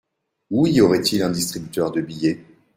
Où y aurait-il un distributeur de billets ?